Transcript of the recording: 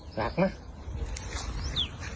หนักไหม